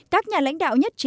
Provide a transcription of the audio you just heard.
các nhà lãnh đạo nhất